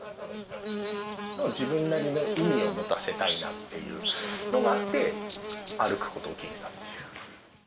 自分なりの意味を持たせたいなっていうのがあって、歩くことを決めたっていう。